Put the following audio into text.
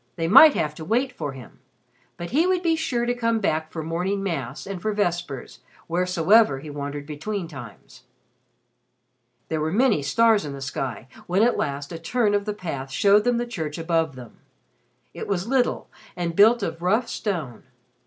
They might have to wait for him, but he would be sure to come back for morning Mass and for vespers, wheresoever he wandered between times. There were many stars in the sky when at last a turn of the path showed them the church above them. It was little and built of rough stone.